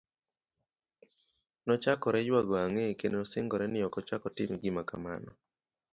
Nochakore yuago ang'e, kendo singore, ni ok ochak otim gima kamano.